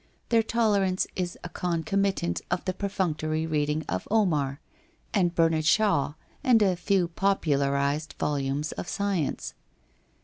Their tolerance is a concomitant of the perfunctory reading of Omar, and Bernard Shaw and a few popularized volumes of science.